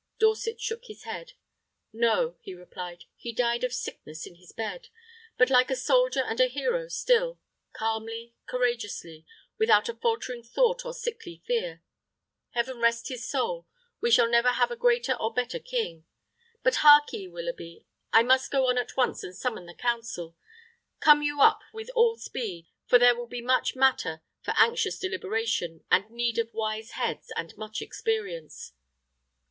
Dorset shook his head: "No," he replied, "he died of sickness in his bed; but like a soldier and a hero still calmly, courageously, without a faltering thought or sickly fear. Heaven rest his soul: we shall never have a greater or a better king. But harkee, Willoughby, I must go on at once and summon the council. Come you up with all speed; for there will be much matter for anxious deliberation, and need of wise heads, and much experience."